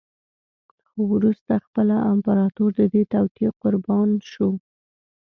خو وروسته خپله امپراتور د دې توطیې قربا شو